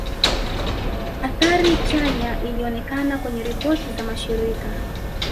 Athari chanya ilionekana kwenye ripoti za mashirika